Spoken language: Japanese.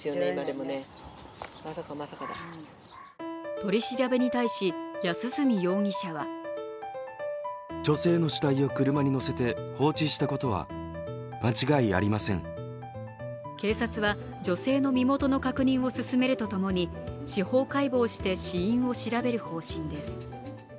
取り調べに対し安栖容疑者は警察は女性の身元の確認を進めるとともに司法解剖して、死因を調べる方針です。